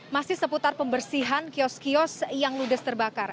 masih seputar pembersihan kios kios yang ludes terbakar